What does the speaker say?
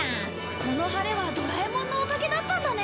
この晴れはドラえもんのおかげだったんだね。